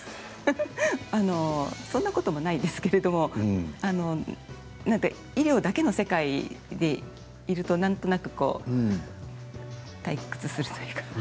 あの、そんなこともないですけれども医療だけの世界にいるとなんとなくこう退屈するというか。